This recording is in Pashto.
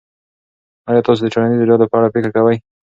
آیا تاسو د ټولنیزو ډلو په اړه فکر کوئ.